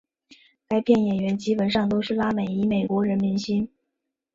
该片演员基本上都是拉美裔美国人明星。